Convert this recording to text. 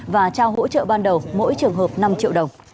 và trao hỗ trợ ban đầu mỗi trường hợp năm nay